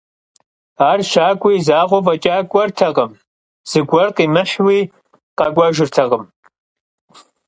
Ar şak'ue yi zakhueu f'eç'a k'uertekhım, zıguer khimıhui khek'uejjırtekhım.